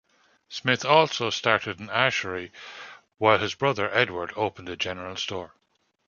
Smith also started an ashery, while his brother Edward opened a general store.